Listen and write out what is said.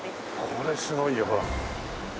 これすごいよほら。